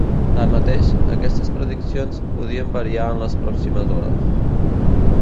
Tanmateix, aquestes prediccions podrien variar en les pròximes hores.